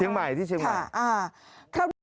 เที่ยวใหม่ที่เที่ยวใหม่